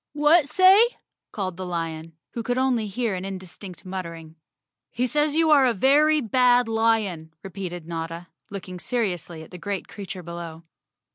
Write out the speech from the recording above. "What say?" called the lion, who could only hear an indistinct muttering. "He says you are a very bad lion," repeated Notta, looking seriously at the great creature below.